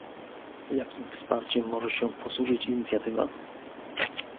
Jakim wsparciem może się posłużyć inicjatywa?